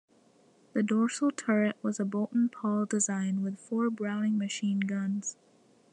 The dorsal turret was a Boulton-Paul design with four Browning machine guns.